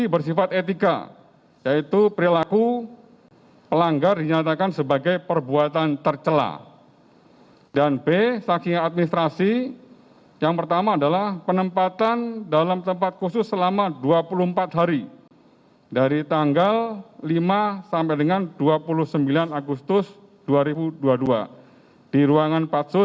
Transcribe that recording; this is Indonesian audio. beban bagi para penyelenggara